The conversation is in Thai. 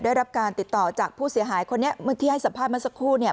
ได้รับการติดต่อจากผู้เสียหายคนนี้เมื่อที่ให้สัมภาษณ์เมื่อสักครู่เนี่ย